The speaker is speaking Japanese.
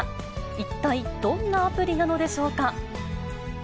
一体、どんなアプリなのでしょうか。